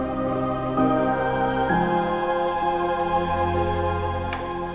udah dulu ya